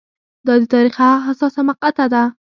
دا د تاریخ هغه حساسه مقطعه وه